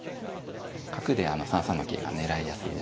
角であの３三の桂が狙いやすいですから。